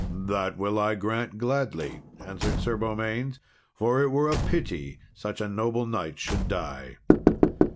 "That will I grant gladly," answered Sir Beaumains, "for it were pity such a noble knight should die."